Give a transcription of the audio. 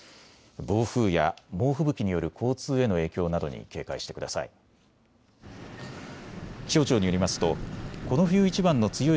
暴風や猛吹雪による交通への影響などに警戒してください。